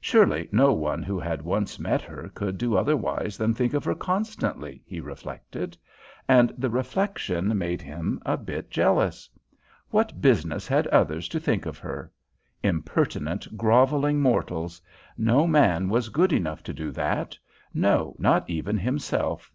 Surely no one who had once met her could do otherwise than think of her constantly, he reflected; and the reflection made him a bit jealous. What business had others to think of her? Impertinent, grovelling mortals! No man was good enough to do that no, not even himself.